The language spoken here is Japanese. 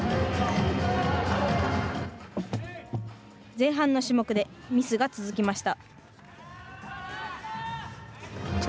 前半の種目でミスが続きました。